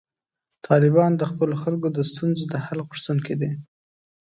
طالبان د خپلو خلکو د ستونزو د حل غوښتونکي دي.